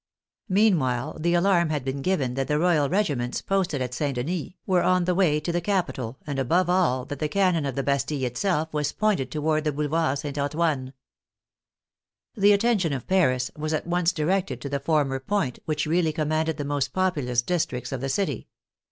Mean while the alarm had been given that the royal regiments, posted at St. Denis, were on the way to the capital, and, above all, that the cannon of the Bastille itself was pointed toward the boulevard St. Antoine. The attention of Paris was at once directed to the for mer point, which really commanded the most populous districts of the city.